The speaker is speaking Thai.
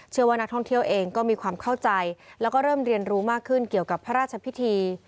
เชื่อว่านักท่องเที่ยวเองก็มีความเข้าใจแล้วก็เริ่มเรียนรู้มากขึ้นเกี่ยวกับพระราชพิธี